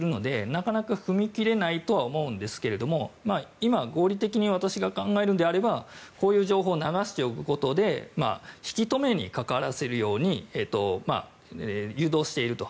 なかなか踏み切れないとは思うんですけれども今、合理的に私が考えるのであればこういう情報を流しておくことで引き留めにかからせるように誘導していると。